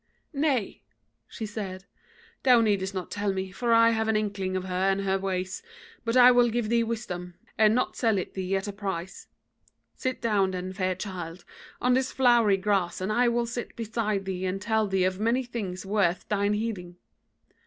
"'Nay,' she said, 'thou needest not tell me, for I have an inkling of her and her ways: but I will give thee wisdom, and not sell it thee at a price. Sit down then, fair child, on this flowery grass, and I will sit beside thee and tell thee of many things worth thine heeding.'